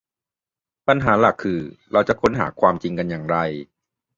ปัญหาหลักคือ เราจะค้นหาความจริงกันอย่างไร